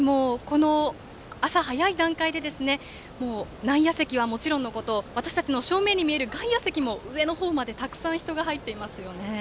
朝早い段階で内野席はもちろんのこと私たちの正面に見える外野席も上の方までたくさん人が入っていますね。